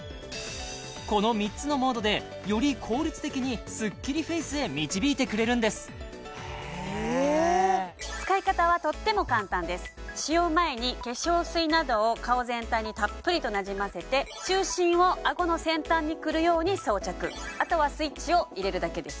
この３つのモードでより効率的にスッキリフェイスへ導いてくれるんです使い方はとっても簡単です使用前に化粧水などを顔全体にたっぷりとなじませて後はスイッチを入れるだけです